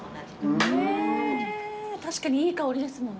確かにいい香りですもんね。